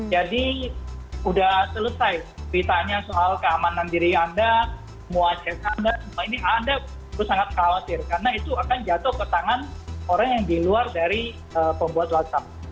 jadi sudah selesai ditanya soal keamanan diri anda muacet anda semua ini anda harus sangat khawatir karena itu akan jatuh ke tangan orang yang di luar dari pembuat whatsapp